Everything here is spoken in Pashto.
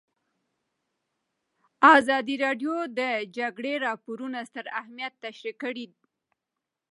ازادي راډیو د د جګړې راپورونه ستر اهميت تشریح کړی.